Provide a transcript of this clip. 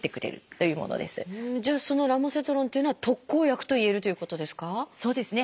じゃあそのラモセトロンっていうのは特効薬といえるということですか？